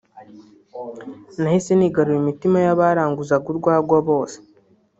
nahise nigarurira imitima y’abaranguzanga urwagwa bose